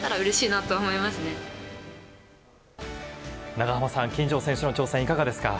長濱さん、金城選手の挑戦いかがですか？